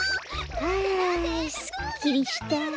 あすっきりした。